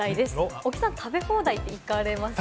小木さん、食べ放題って行かれますか？